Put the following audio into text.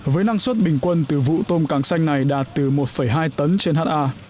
với năng suất bình quân từ vụ tôm càng xanh này đạt từ một hai tấn trên ha